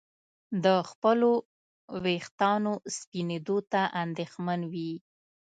د خپلو ویښتانو سپینېدو ته اندېښمن وي.